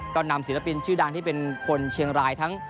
ก็นำศิลปินชื่อดังที่เป็นคนเชียงรายทั้ง